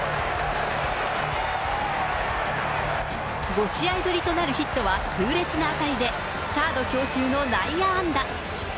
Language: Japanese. ５試合ぶりとなるヒットは痛烈な当たりで、サード強襲の内野安打。